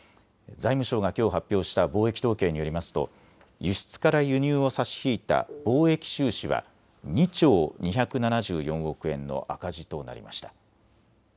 財務省がきょう発表した貿易統計によりますと輸出から輸入を差し引いた貿易収支は２兆２７４億円の赤字となりました。